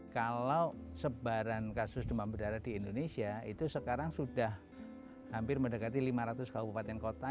kalau sebaran kasus demam berdarah di indonesia itu sekarang sudah hampir mendekati lima ratus kabupaten kota